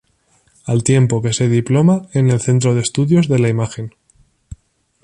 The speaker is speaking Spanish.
Al tiempo que se diploma en el Centro de Estudios de la Imagen.